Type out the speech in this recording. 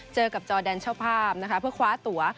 เจอกับจอร์แดนเจ้าภาพเพื่อคว้าตั๋ว